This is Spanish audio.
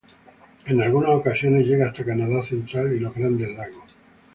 En algunas ocasiones llega hasta Canadá central y los grandes lagos.